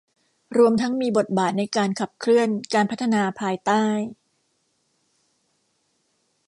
รวมทั้งมีบทบาทในการขับเคลื่อนการพัฒนาภายใต้